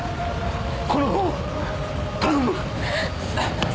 この子を頼む！